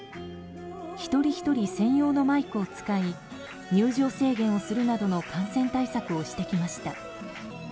一人ひとり専用のマイクを使い入場制限をするなどの感染対策をしてきました。